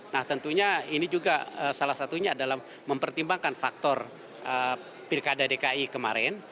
nah tentunya ini juga salah satunya dalam mempertimbangkan faktor pilkada dki kemarin